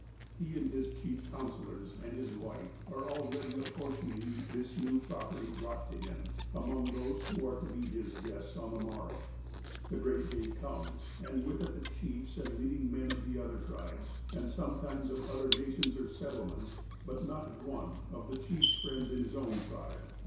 He and his chief counsellors, and his wife, are already apportioning this new property brought to him, among those who are to be his guests on the morrow. The great day comes, and with it the chiefs and leading men of the other tribes, and sometimes of other nations or settlements ; but not one of the chief's friends in his own tribe.